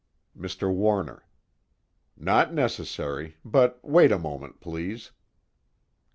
MR. WARNER: Not necessary, but wait a moment, please.